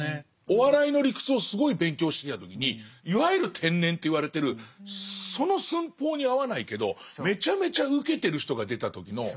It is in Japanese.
お笑いの理屈をすごい勉強してた時にいわゆる天然と言われてるその寸法に合わないけどめちゃめちゃウケてる人が出た時の恐怖とか。